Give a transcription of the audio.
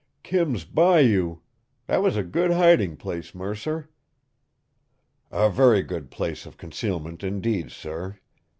"Kim's Bayou! That was a good hiding place, Mercer!" "A very good place of concealment indeed, sir.